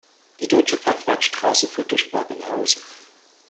Die Deutsche Fachwerkstraße führt durch Babenhausen.